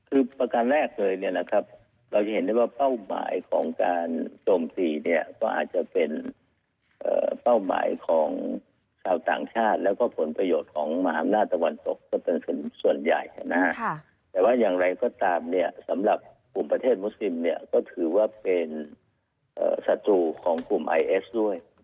คือประการแรกเลยเนี่ยนะครับเราจะเห็นได้ว่าเป้าหมายของการโจมตีเนี่ยก็อาจจะเป็นเป้าหมายของชาวต่างชาติแล้วก็ผลประโยชน์ของมหาอำนาจตะวันตกก็เป็นส่วนใหญ่นะฮะแต่ว่าอย่างไรก็ตามเนี่ยสำหรับกลุ่มประเทศมุสซิมเนี่ยก็ถือว่าเป็นศัตรูของกลุ่มไอเอสด้วย